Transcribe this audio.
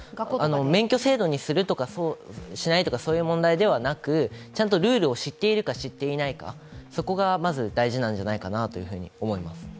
免許制度にするとかしないとかそういう問題ではなくちゃんとルールを知っているか、知っていないか、そこがまず大事なんじゃないかなと思います。